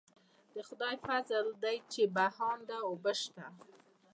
د خدای فضل دی چې بهانده اوبه شته.